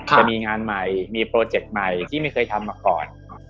จะมีงานใหม่มีโปรเจคใหม่ที่ไม่เคยทำมาก่อน